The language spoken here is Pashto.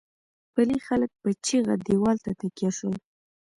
پلې خلک په چيغه دېوال ته تکيه شول.